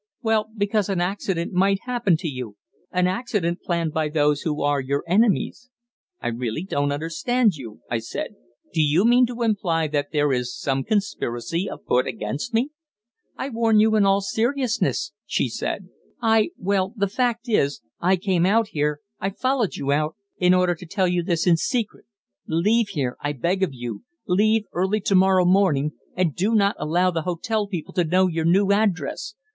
"Well, because an accident might happen to you an accident planned by those who are your enemies." "I really don't understand you," I said. "Do you mean to imply that there is some conspiracy afoot against me?" "I warn you in all seriousness," she said. "I well, the fact is, I came out here I followed you out in order to tell you this in secret. Leave here, I beg of you; leave early to morrow morning, and do not allow the hotel people to know your new address.